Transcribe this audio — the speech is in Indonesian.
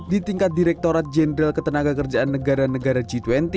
di tingkat direktorat jenderal ketenaga kerjaan negara negara g dua puluh